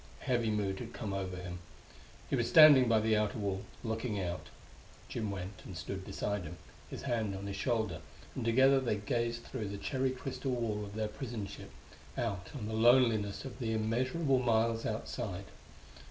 A heavy mood had come over him; he was standing by the outer wall, looking out. Jim went and stood beside him, his hand on his shoulder, and together they gazed through the cherry crystal wall of their prison ship out on the loneliness of the immeasurable miles outside.